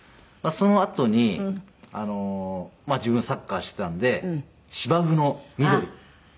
そのあとにまあ自分はサッカーしてたんで芝生の緑。